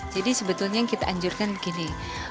jadi sebetulnya yang kita anjurkan gini